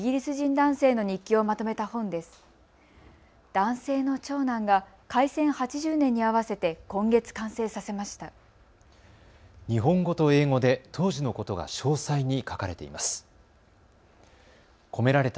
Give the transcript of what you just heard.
男性の長男が開戦８０年に合わせて今月、完成させました。